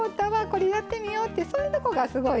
これやってみよう」ってそういうとこがすごい